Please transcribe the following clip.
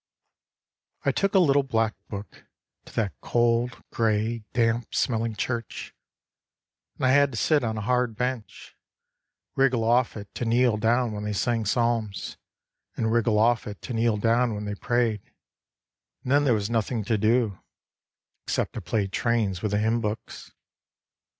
I took a little black book To that cold, grey, damp, smelling church, And I had to sit on a hard bench, Wriggle off it to kneel down when they sang psalms And wriggle off it to kneel down when they prayed, And then there was nothing to do Except to play trains with the hymn books.